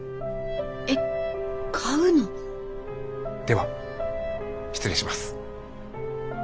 えっ買うの？では失礼します。